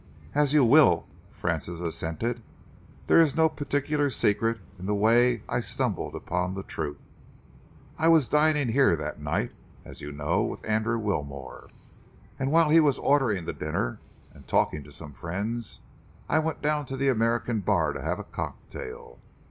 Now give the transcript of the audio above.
"As you will," Francis assented. "There is no particular secret in the way I stumbled upon the truth. I was dining here that night, as you know, with Andrew Wilmore, and while he was ordering the dinner and talking to some friends, I went down to the American Bar to have a cocktail.